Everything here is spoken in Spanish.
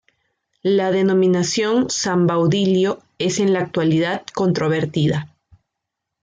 La denominación San Baudilio es en la actualidad controvertida.